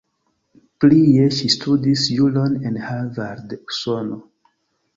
Plie ŝi studis juron en Harvard, Usono.